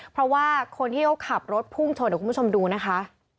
เพราะว่าคนที่เขาขับรถพุ่งชนเดี๋ยวคุณผู้ชมดูนะคะ